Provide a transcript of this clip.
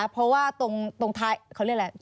เพราะว่าตรงท้ายเขาเรียกอะไร